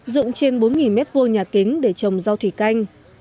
dựng trên bốn m hai nhà kính để trồng rau thủy canh